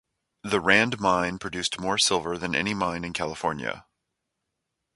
The Rand Mine produced more silver than any mine in California.